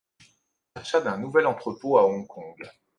Achat d'un nouvel entrepôt à Hong Kong.